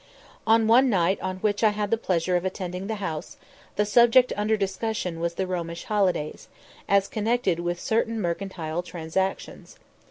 On one night on which I had the pleasure of attending the House, the subject under discussion was the Romish holidays, as connected with certain mercantile transactions.